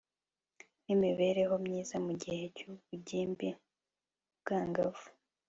n'imibereho myiza mu gihe cy'ubugimbi ubwangavu